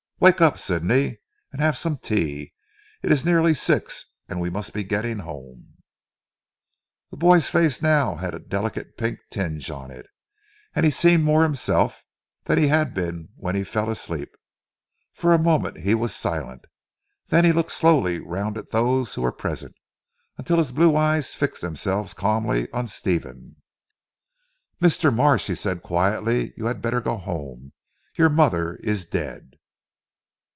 Wake up Sidney, and have some tea. It is nearly six and we must be getting home." The boy's face had now a delicate pink tinge on it, and he seemed more himself than he had been when he fell asleep. For a moment he was silent. Then he looked slowly round at those who were present, until his blue eyes fixed themselves calmly on Stephen. "Mr. Marsh!" he said quietly, "you had better go home. Your mother is dead."